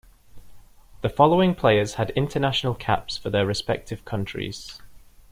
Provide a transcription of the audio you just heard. The following players had international caps for their respective countries.